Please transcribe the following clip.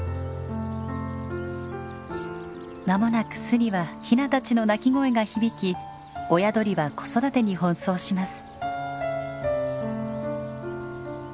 間もなく巣にはヒナたちの鳴き声が響き親鳥は子育てに奔走します。